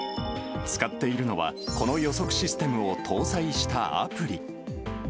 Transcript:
使っているのは、この予測システムを搭載したアプリ。